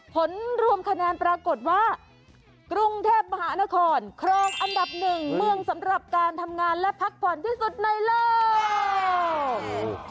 ผลรวมคะแนนปรากฏว่ากรุงเทพมหานครครองอันดับหนึ่งเมืองสำหรับการทำงานและพักผ่อนที่สุดในโลก